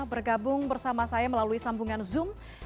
bergabung bersama saya melalui sambungan zoom